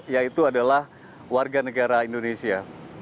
yaitu adalah warga negara indonesia